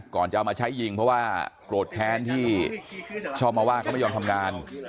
ก่อนจะเอามาใช้ยิงเพราะว่าโกรธแค้นที่ชอบมาว่าเขาไม่ยอมทำงาน